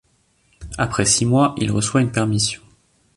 Après six mois il reçoit une permission.